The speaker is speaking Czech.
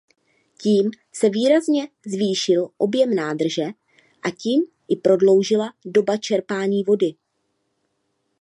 Tím se výrazně zvýšil objem nádrže a tím i prodloužila doba čerpání vody.